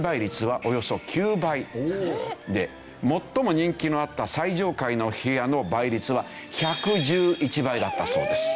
最も人気のあった最上階の部屋の倍率は１１１倍だったそうです。